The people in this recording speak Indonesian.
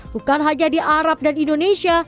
bukan hanya di arab dan indonesia